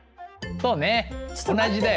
そうね同じだよねうん。